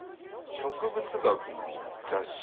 植物学の雑誌？